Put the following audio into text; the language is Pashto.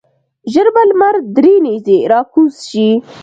ژر به لمر درې نیزې راکوز شي.